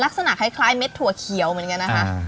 ลักษณะคล้ายเม็ดถั่วเขียวเหมือนกันนะคะ